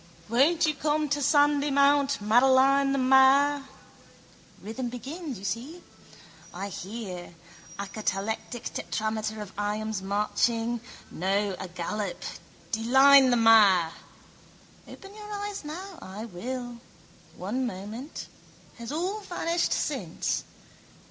Won't you come to Sandymount, Madeline the mare? Rhythm begins, you see. I hear. A catalectic tetrameter of iambs marching. No, agallop: deline the mare. Open your eyes now. I will. One moment. Has all vanished since?